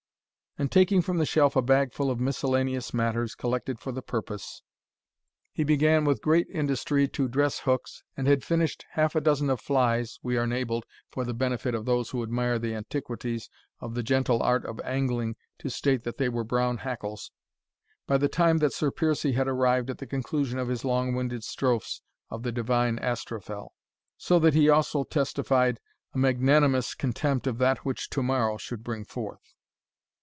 And taking from the shelf a bag full of miscellaneous matters collected for the purpose, he began with great industry to dress hooks, and had finished half a dozen of flies (we are enabled, for the benefit of those who admire the antiquities of the gentle art of angling, to state that they were brown hackles) by the time that Sir Piercie had arrived at the conclusion of his long winded strophes of the divine Astrophel. So that he also testified a magnanimous contempt of that which to morrow should bring forth.